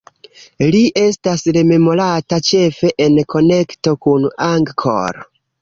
Li estas rememorata ĉefe en konekto kun Angkor.